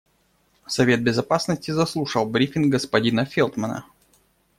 Совет Безопасности заслушал брифинг господина Фелтмана.